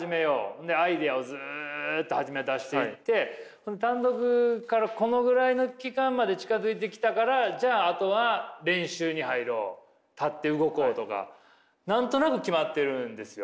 でアイデアをずっと初め出していって単独からこのぐらいの期間まで近づいてきたからじゃああとは練習に入ろう立って動こうとか何となく決まってるんですよ。